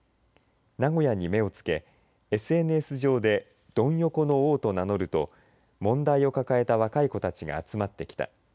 名古屋に目をつけＳＮＳ上でドン横の王と名乗ると問題を抱えた若い子たちが集まってきた。